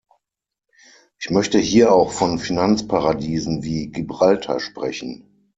Ich möchte hier auch von Finanzparadiesen wie Gibraltar sprechen.